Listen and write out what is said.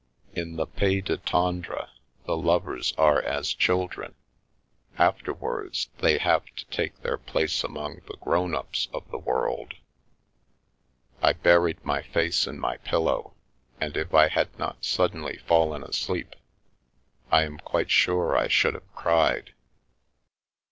In the Pays du Tendre, the lovers are as children ; afterwards, they have to take their place among the grown ups of the world. I buried my face in my pillow, and if I had not suddenly fallen asleep, I am quite sure I should have cried.